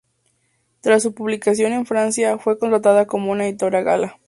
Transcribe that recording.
Tras su publicación en Francia, fue contratada por una editorial gala.